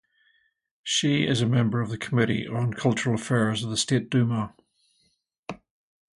She is a member of the Committee on Cultural affairs of the State Duma.